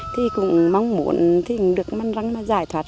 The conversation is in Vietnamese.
thì cũng mong muốn được măn răng giải thoát